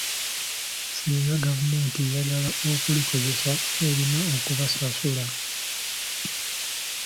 Singa gavumenti eyagala okulikozesa erina okubasasula.